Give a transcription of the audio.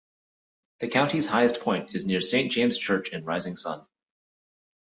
The county's highest point is near Saint James Church in Rising Sun.